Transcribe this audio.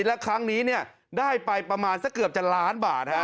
และครั้งนี้ได้ไปประมาณสักเกือบจะล้านบาท